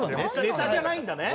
ネタじゃないんだね。